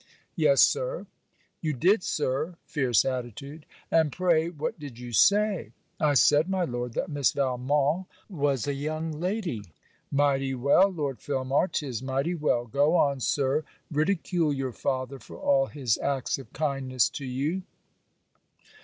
'Yes, Sir.' 'You did, Sir!' fierce attitude 'And pray what did you say?' 'I said, my Lord that Miss Valmont was a young lady.' 'Mighty well, Lord Filmar! 'Tis mighty well! Go on, Sir, Ridicule your father for all his acts of kindness to you!'